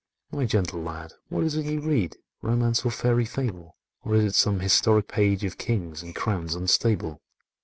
"My gentle lad, what is't you read— Romance or fairy fable? Or is it some historic page, Of kings and crowns unstable?"